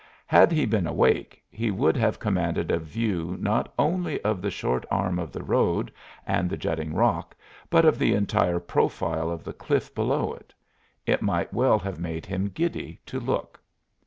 Had he been awake he would have commanded a view, not only of the short arm of the road and the jutting rock, but of the entire profile of the cliff below it. It might well have made him giddy to look.